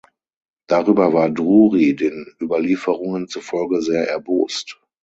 Darüber war Drury den Überlieferungen zufolge sehr erbost.